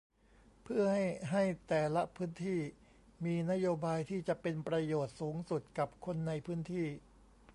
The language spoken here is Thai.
เพื่อให้ให้แต่ละพื้นที่มีนโยบายที่จะเป็นประโยชน์สูงสุดกับคนในพื้นที่